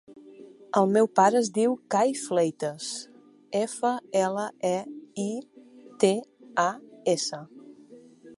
El meu pare es diu Cai Fleitas: efa, ela, e, i, te, a, essa.